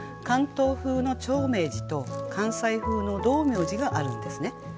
関東風の長命寺と関西風の道明寺があるんですね。